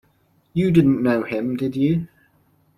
You didn't know him, did you?